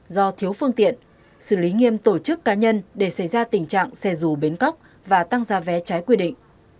do thiếu phương tiện xử lý nghiêm tổ chức cá nhân để xảy ra tình trạng xe rù bến cóc và tăng ra vé trái quy định